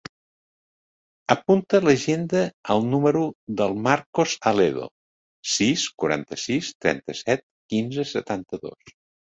Apunta a l'agenda el número del Marcos Aledo: sis, quaranta-sis, trenta-set, quinze, setanta-dos.